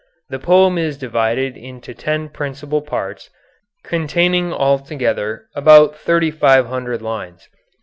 The poem is divided into ten principal parts, containing altogether about 3,500 lines.